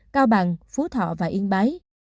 cao bằng phú thọ và yên bái